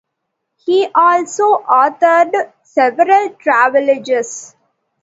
He also authored several travelogues.